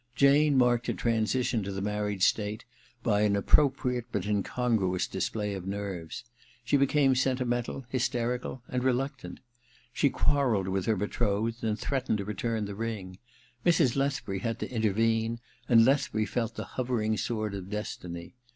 Jane marked her transition to the married state by a seasonable but incongruous display of nerves. She became sentimental, hysterical and reluctant. She quarrelled with her betrothed and threatened to return the ring. Mrs. Lethbury had to intervene, and Lethbury felt the hovering sword of destiny.